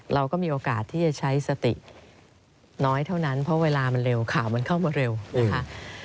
เราก็มีโอกาสที่จะใช้สติน้อยเท่านั้นเพราะเวลามันเร็วข่าวมันเข้ามาเร็วนะคะ